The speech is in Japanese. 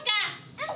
「うん！」